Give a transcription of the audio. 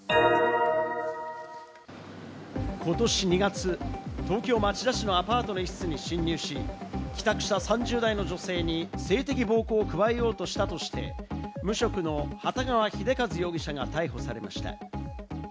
ことし２月、東京・町田市のアパートの一室に侵入し、帰宅した３０代の女性に性的暴行を加えようとしたとして、無職の幟川秀一容疑者が逮捕されました。